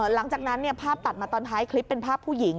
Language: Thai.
หลังจากนั้นภาพตัดมาตอนท้ายคลิปเป็นภาพผู้หญิง